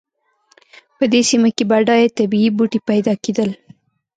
په دې سیمه کې بډایه طبیعي بوټي پیدا کېدل.